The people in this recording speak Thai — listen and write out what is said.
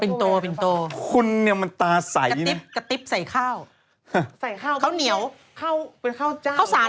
น้องทัพโพแวร์เหรอคะ